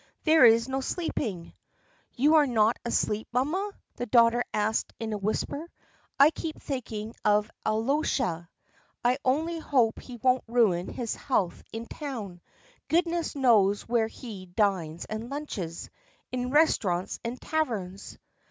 "There is no sleeping." "You are not asleep, mamma?" the daughter asked in a whisper. "I keep thinking of Alyosha. I only hope he won't ruin his health in town. Goodness knows where he dines and lunches. In restaurants and taverns."